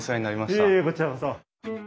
いえいえこちらこそ。